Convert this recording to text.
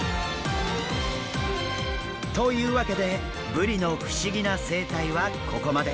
というわけでブリの不思議な生態はここまで。